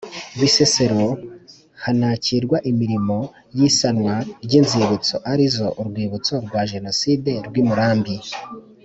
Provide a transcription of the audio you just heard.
Bisesero hanakirwa imirimo y isanwa ry Inzibutso arizo Urwibutso rwa Jenoside rw i Murambi